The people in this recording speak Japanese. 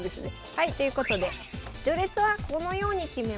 はいということで序列はこのように決めます。